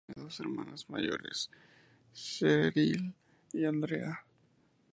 Tiene dos hermanas mayores, Sheryl y Andrea.